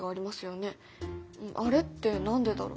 あれって何でだろう？